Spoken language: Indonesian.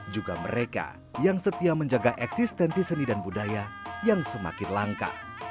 juga mereka yang setia menjaga eksistensi seni dan budaya yang semakin langka